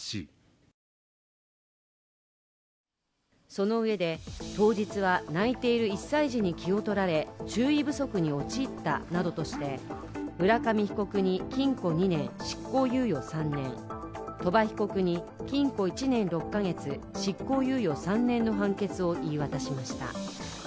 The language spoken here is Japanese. そのうえで、当日は泣いている１歳児に気を取られ、注意不足に陥ったなどとして浦上被告に禁錮２年、執行猶予３年鳥羽被告に禁錮１年６か月、執行猶予３年の判決を言い渡しました。